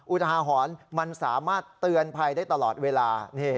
อุทาหรณ์มันสามารถเตือนภัยได้ตลอดเวลา